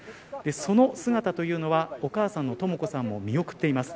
その姿というのは、お母さんのとも子さんも見送っています。